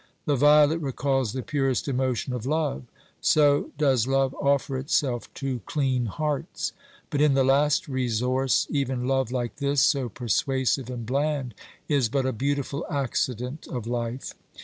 The violet recalls the purest emotion of love ; so does love offer itself to clean hearts. But, in the last resource, even love like this, so persuasive and bland, is but a beautiful accident of life.